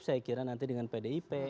saya kira nanti dengan pdip